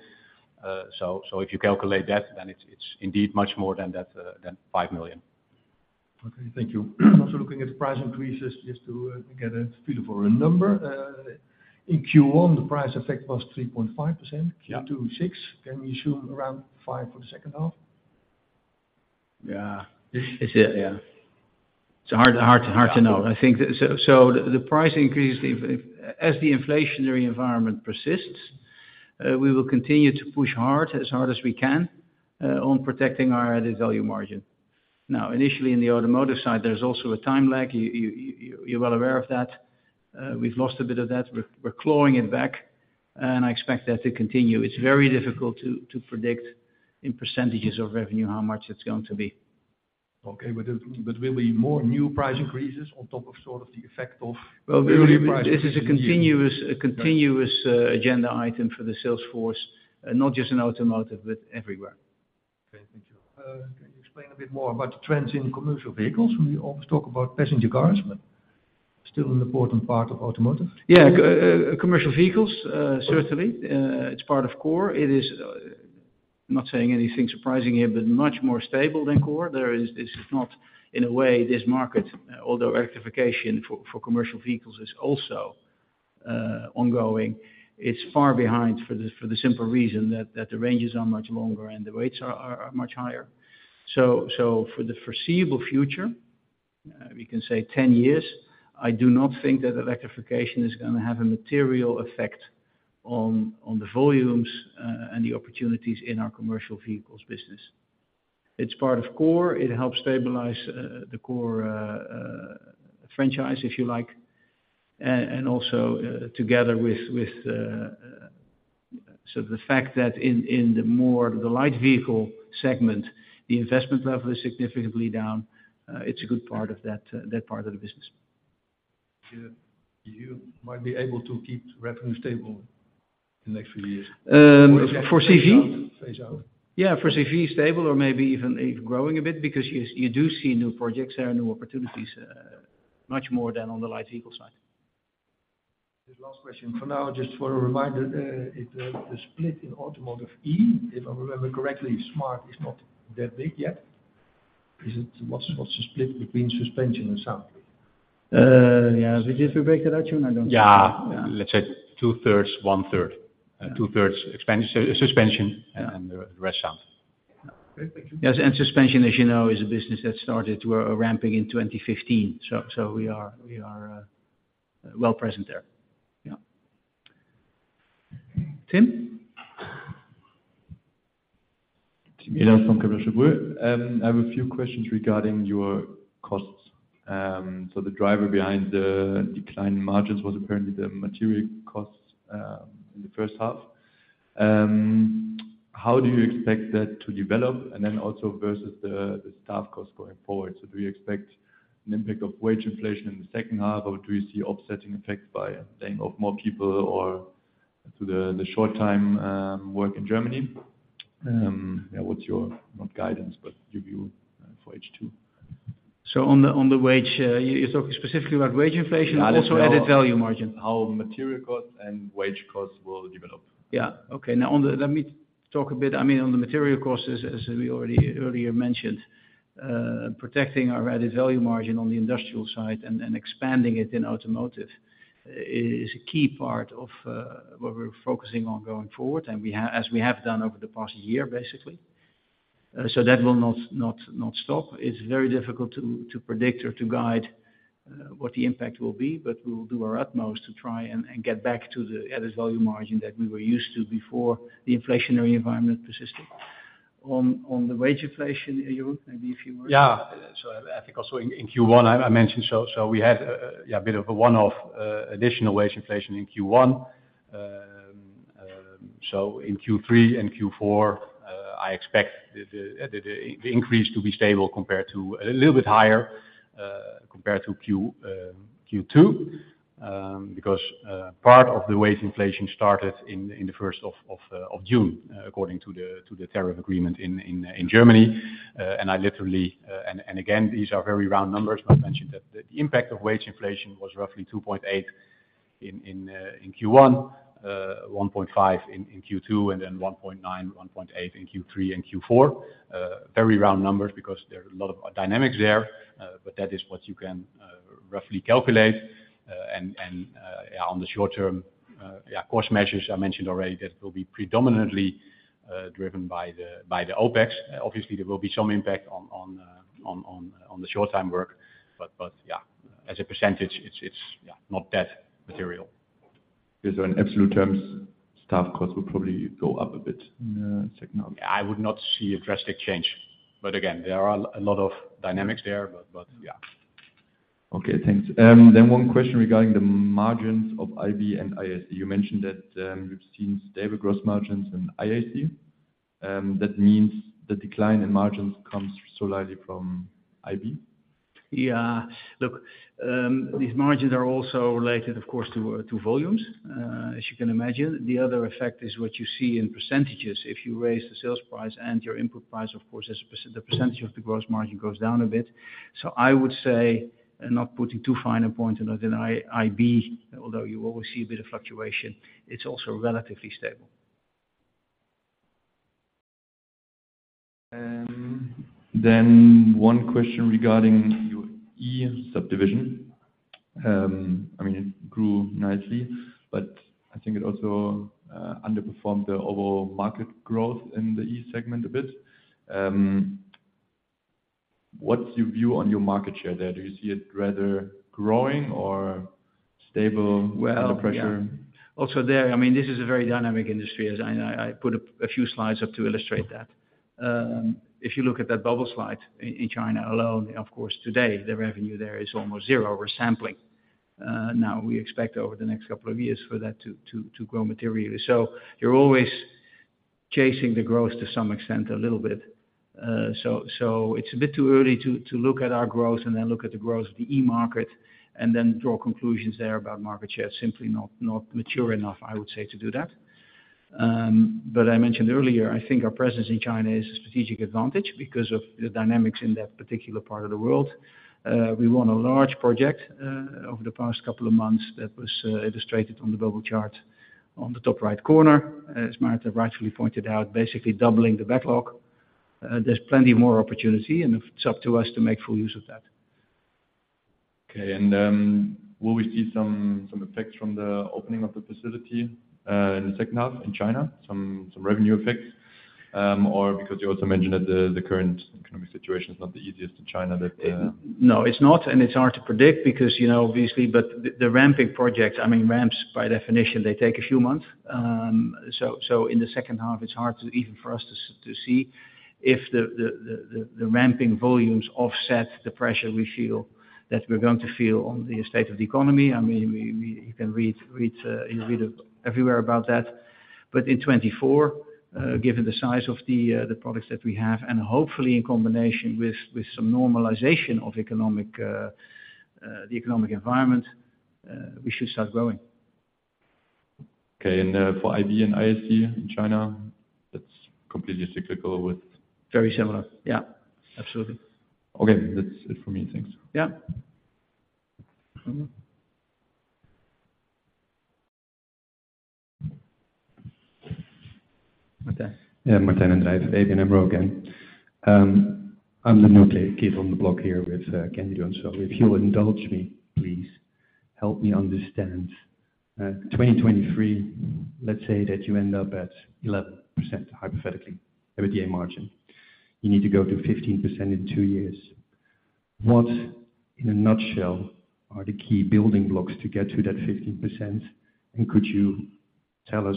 If you calculate that, then it's, it's indeed much more than that, than 5 million. Okay, thank you. Looking at the price increases, just to get a feel for a number, in Q1, the price effect was 3.5%. Yeah. Q2, six. Can we assume around five for the second half? Yeah. It's, yeah. It's hard to know. I think so, the price increase, as the inflationary environment persists, we will continue to push hard, as hard as we can, on protecting our added value margin. Now, initially, in the Automotive side, there's also a time lag. You're well aware of that. We've lost a bit of that. We're, we're clawing it back, and I expect that to continue. It's very difficult to, to predict in percentages of revenue, how much it's going to be. Okay, there will be more new price increases on top of sort of the effect of- This is a continuous, a continuous agenda item for the sales force, and not just in Automotive, but everywhere. Okay, thank you. Can you explain a bit more about the trends in commercial vehicles? We always talk about passenger cars, but still an important part of Automotive. Yeah, commercial vehicles, certainly, it's part of core. It is not saying anything surprising here, but much more stable than core. This is not, in a way, this market, although electrification for commercial vehicles is also ongoing, it's far behind for the simple reason that the ranges are much longer and the rates are much higher. For the foreseeable future, we can say 10 years, I do not think that electrification is gonna have a material effect on the volumes and the opportunities in our commercial vehicles business. It's part of core, it helps stabilize the core franchise, if you like. Also together with the fact that in the more the light vehicle segment, the investment level is significantly down. It's a good part of that, that part of the business. Yeah. You might be able to keep revenue stable in the next few years? For CV? Phase out. Yeah, for CV, stable or maybe even, even growing a bit, because you, you do see new projects and new opportunities, much more than on the light vehicle side. Just last question for now, just for a reminder, the split in Automotive E, if I remember correctly, Smart is not that big yet. Is it? What's the split between suspension and sound? Yeah, did we break that out, June? I don't- Yeah. Yeah. Let's say 2/3, 1/3, and 2/3, suspension, and the rest, sound. Okay, thank you. Yes, suspension, as you know, is a business that started, we're ramping in 2015, so we are well present there. Yeah. Tim? Tim Ehlers from Kepler Cheuvreux. I have a few questions regarding your costs. The driver behind the decline in margins was apparently the material costs in the first half. How do you expect that to develop? Also versus the staff costs going forward. Do you expect an impact of wage inflation in the second half, or do you see offsetting effects by hiring of more people or to the short-term work in Germany? What's your, not guidance, but view for H2? On the, on the wage, you're talking specifically about wage inflation and also added value margin? How material costs and wage costs will develop. Yeah. Okay, let me talk a bit, I mean, on the material costs, as, as we already earlier mentioned, protecting our added value margin on the industrial side and, and expanding it in Automotive is a key part of what we're focusing on going forward, and we have, as we have done over the past year, basically. That will not, not, not stop. It's very difficult to, to predict or to guide, what the impact will be, but we will do our utmost to try and, and get back to the added value margin that we were used to before the inflationary environment persisted. ... on the wage inflation, Jeroen, maybe a few words? Yeah. I think also in Q1, I mentioned, we had a bit of a one-off additional wage inflation in Q1. In Q3 and Q4, I expect the increase to be stable compared to... A little bit higher compared to Q2. Because part of the wage inflation started in the first of June, according to the tariff agreement in Germany. I literally, and again, these are very round numbers, but I mentioned that the impact of wage inflation was roughly 2.8 in Q1, 1.5 in Q2, and then 1.9, 1.8 in Q3 and Q4. Very round numbers because there are a lot of dynamics there, but that is what you can roughly calculate. On the short term, cost measures, I mentioned already, that will be predominantly driven by the OpEx. Obviously, there will be some impact on the short-time work, but as a percentage, it's not that material. Is there an absolute terms, staff costs will probably go up a bit in, second half? I would not see a drastic change. Again, there are a lot of dynamics there, but, but yeah. Okay, thanks. One question regarding the margins of IB and IAC. You mentioned that, you've seen stable gross margins in IAC. That means the decline in margins comes solely from IB? Yeah. Look, these margins are also related, of course, to volumes. As you can imagine, the other effect is what you see in percentages. If you raise the sales price and your input price, of course, as the percentage of the gross margin goes down a bit. I would say, not putting too fine a point on it, in IB, although you always see a bit of fluctuation, it's also relatively stable. One question regarding your E subdivision. I mean, it grew nicely, but I think it also underperformed the overall market growth in the E segment a bit. What's your view on your market share there? Do you see it rather growing or stable? Well- Under pressure? There, I mean, this is a very dynamic industry, as I put a few slides up to illustrate that. If you look at that bubble slide in China alone, of course, today, the revenue there is almost zero. We're sampling. Now, we expect over the next two years for that to grow materially. You're always chasing the growth to some extent, a little bit. It's a bit too early to look at our growth and then look at the growth of the EV market and then draw conclusions there about market share. Simply not mature enough, I would say, to do that. I mentioned earlier, I think our presence in China is a strategic advantage because of the dynamics in that particular part of the world. We won a large project over the past couple of months that was illustrated on the bubble chart on the top right corner. As Martijn rightfully pointed out, basically doubling the backlog. There's plenty more opportunity, and it's up to us to make full use of that. Okay, will we see some effects from the opening of the facility in the second half in China, some revenue effects? Or because you also mentioned that the current economic situation is not the easiest in China, that? No, it's not, it's hard to predict because, you know, obviously, but the ramping projects, I mean, ramps, by definition, they take a few months. In the second half, it's hard, even for us to see if the ramping volumes offset the pressure we feel, that we're going to feel on the state of the economy. I mean, you can read everywhere about that. In 2024, given the size of the products that we have, and hopefully in combination with some normalization of economic, the economic environment, we should start growing. Okay, and, for IB and IAC in China, that's completely cyclical with- Very similar. Yeah, absolutely. Okay, that's it for me. Thanks. Yeah. Martijn? Yeah, Martijn den Drijver, ABN AMRO again. I'm the new kid on the block here with Kendrion, so if you'll indulge me, please help me understand. 2023, let's say that you end up at 11%, hypothetically, EBITDA margin. You need to go to 15% in two years. What, in a nutshell, are the key building blocks to get to that 15%, and could you tell us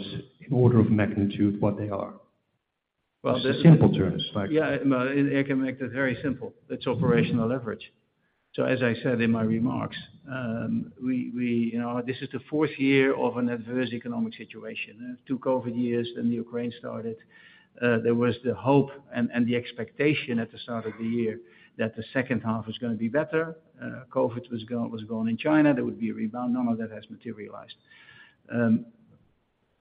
in order of magnitude what they are? Well. Just the simple terms, like... Yeah, well, I can make that very simple. It's operational leverage. As I said in my remarks, we, we, you know, this is the fourth year of an adverse economic situation. Two COVID years, then the Ukraine started. There was the hope and, and the expectation at the start of the year that the second half was gonna be better. COVID was gone, was gone in China. There would be a rebound. None of that has materialized.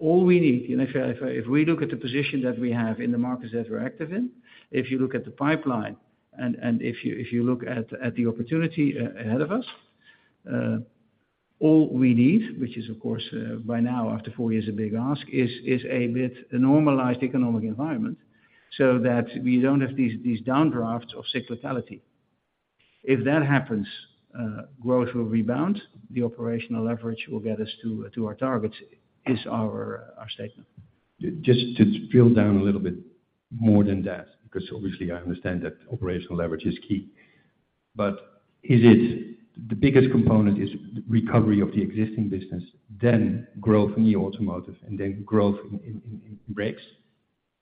All we need, and if we look at the position that we have in the markets that we're active in, if you look at the pipeline, and if you look at the opportunity ahead of us, all we need, which is, of course, by now, after four years, a big ask, is a bit a normalized economic environment so that we don't have these, these downdrafts of cyclicality. If that happens, growth will rebound. The operational leverage will get us to our targets, is our statement. Just, just drill down a little bit more than that, because obviously I understand that operational leverage is key. Is it, the biggest component is recovery of the existing business, then growth in the Automotive, and then growth in Brakes?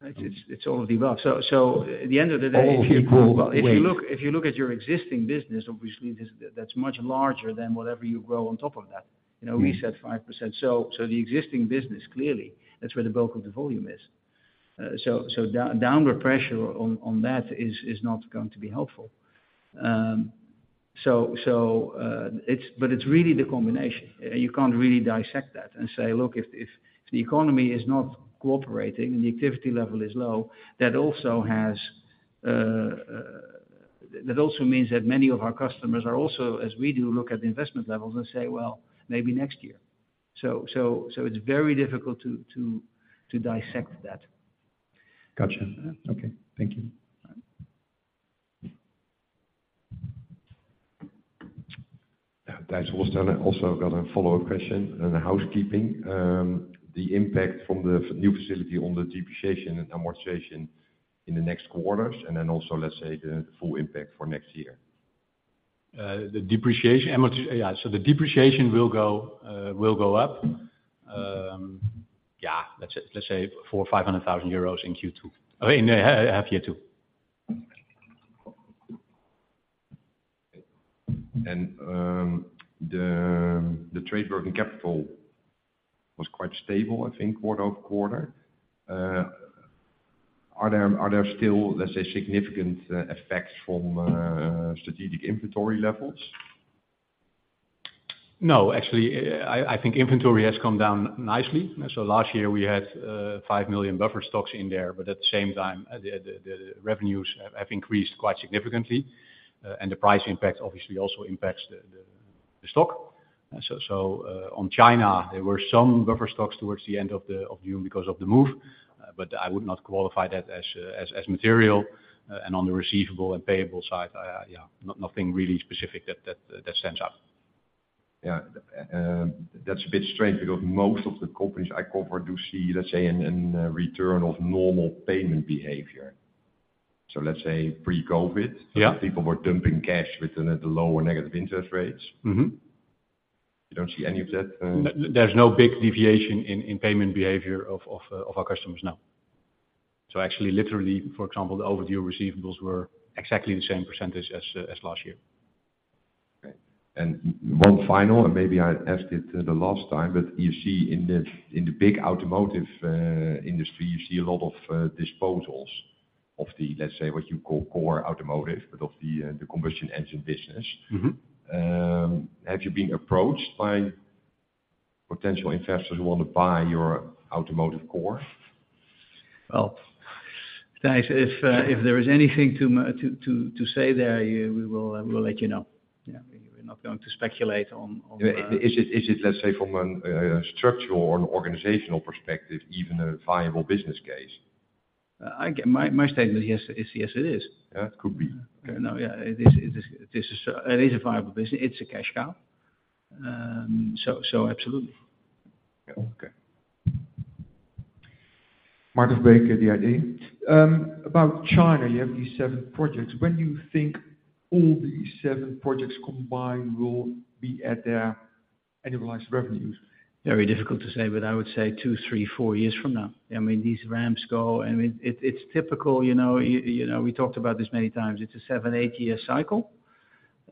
It's all of the above. At the end of the day. All equal weight. If you look, if you look at your existing business, obviously, this, that's much larger than whatever you grow on top of that. You know, we said 5%. The existing business, clearly, that's where the bulk of the volume is. Downward pressure on that is not going to be helpful. It's but it's really the combination. You can't really dissect that and say, look, if the economy is not cooperating, the activity level is low, that also has. That also means that many of our customers are also, as we do, look at the investment levels and say, "Well, maybe next year." It's very difficult to dissect that. Gotcha. Okay. Thank you. All right. Guys, also, I also got a follow-up question on the housekeeping. The impact from the new facility on the depreciation and amortization in the next quarters, and then also, let's say, the full impact for next year. The depreciation, yeah, so the depreciation will go, will go up. Yeah, let's, let's say 400,000-500,000 euros in Q2, in half year 2. The trade working capital was quite stable, I think, quarter-over-quarter. Are there, are there still, let's say, significant effects from strategic inventory levels? Actually, I, I think inventory has come down nicely. Last year we had 5 million buffer stocks in there, at the same time, the revenues have increased quite significantly, the price impact obviously also impacts the stock. On China, there were some buffer stocks towards the end of June because of the move, I would not qualify that as material, on the receivable and payable side, nothing really specific that stands out. Yeah. That's a bit strange, because most of the companies I cover do see, let's say, an, an, return of normal payment behavior. Let's say pre-COVID- Yeah. people were dumping cash with the lower negative interest rates. Mm-hmm. You don't see any of that? There's no big deviation in, in payment behavior of, of, our customers, no. Actually, literally, for example, the overdue receivables were exactly the same % as, as last year. Okay. 1 final, and maybe I asked it the last time, but you see in the, in the big Automotive industry, you see a lot of disposals of the, let's say, what you call core Automotive, but of the, the combustion engine business. Mm-hmm. Have you been approached by potential investors who want to buy your Automotive Core? Well, guys, if, if there is anything to say there, we will, we will let you know. Yeah, we're not going to speculate on, on. Is it, let's say, from a structural or an organizational perspective, even a viable business case? My, my statement, yes, is yes, it is. Yeah, it could be. No, yeah, it is, it is, this is a, it is a viable business. It's a cash cow. So absolutely. Yeah. Okay. About China, you have these seven projects. When do you think all these seven projects combined will be at their annualized revenues? Very difficult to say, but I would say two, three, four years from now. I mean, these ramps go... I mean, it's typical, you know, you know, we talked about this many times. It's a seven, eight-year cycle.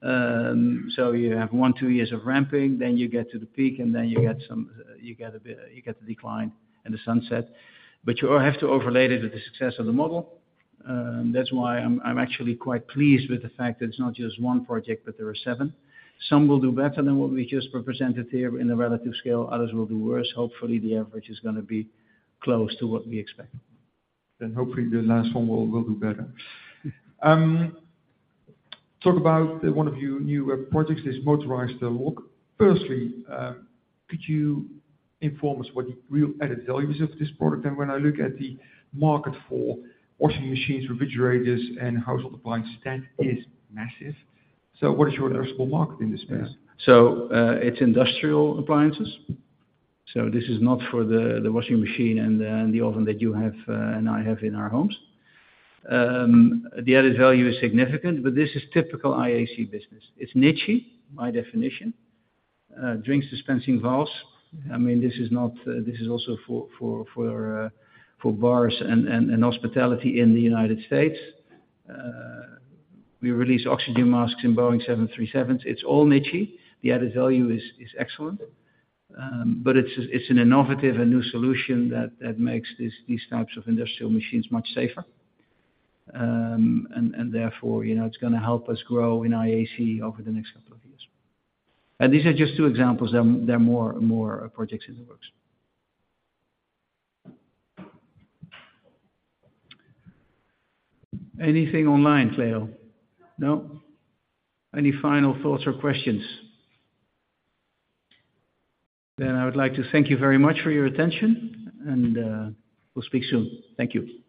So you have one, two years of ramping, then you get to the peak, and then you get some, you get a bit, you get the decline and the sunset. You have to overlay it with the success of the model. That's why I'm, I'm actually quite pleased with the fact that it's not just one project, but there are seven. Some will do better than what we just presented here in a relative scale, others will do worse. Hopefully, the average is gonna be close to what we expect. Hopefully the last one will, will do better. Talk about one of your new projects, this motorized lock. Firstly, could you inform us what the real added values of this product? When I look at the market for washing machines, refrigerators, and household appliance, that is massive. What is your addressable market in this space? It's industrial appliances. This is not for the washing machine and the oven that you have and I have in our homes. The added value is significant, but this is typical IAC business. It's niche-y, by definition, drink dispensing valves. I mean, this is not, this is also for bars and hospitality in the United States. We release oxygen masks in Boeing 737s. It's all niche-y. The added value is excellent, but it's an innovative and new solution that makes these types of industrial machines much safer. And therefore, you know, it's gonna help us grow in IAC over the next couple of years. And these are just two examples. There are, there are more, more projects in the works. Anything online, Cleo? No? Any final thoughts or questions? I would like to thank you very much for your attention, and we'll speak soon. Thank you.